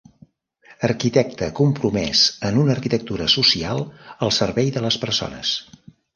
Arquitecte compromès en una arquitectura social al servei de les persones.